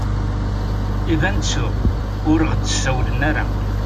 Iban ttuɣ ur ɣ-d-sawlen ara.